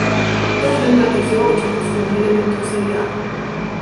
Două luni mai târziu au început filmările pentru serial.